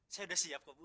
saya udah siap kok bu